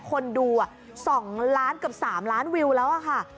คนดู๒ล้านเกือบ๓ล้านวิวแล้วค่ะ